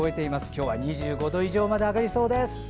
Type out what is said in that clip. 今日は２５度以上まで上がりそうです。